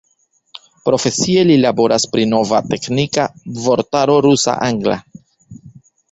Profesie li laboras pri nova teknika vortaro rusa-angla.